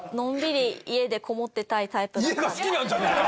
家が好きなんじゃねえか。